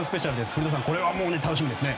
古田さん、これは楽しみですね。